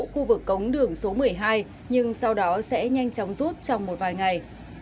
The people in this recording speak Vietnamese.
khu vực cống đường số một mươi hai nhưng sau đó sẽ nhanh chóng rút trong một vài ngày